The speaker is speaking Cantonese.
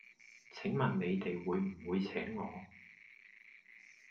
請問你哋會唔會請我?